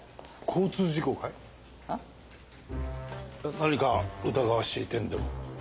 何か疑わしい点でも？